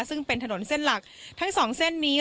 ซึ่งเป็นถนนเส้นหลักทั้งสองเส้นนี้